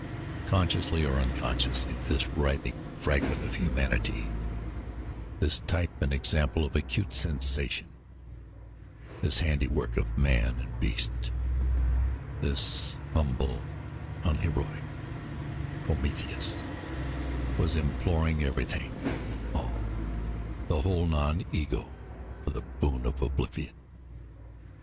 Consciously or unconsciously, this writhing fragment of humanity, this type and example of acute sensation, this handiwork of man and beast, this humble, unheroic Prometheus, was imploring everything, all, the whole non ego, for the boon of oblivion.